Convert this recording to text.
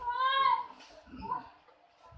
โทษนะขึ้นมานะให้ไอหนูคนด้วยค่ะโทษมาได้นานมานานมา